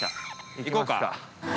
行こうか。